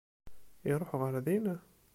Iruḥ ɣer din?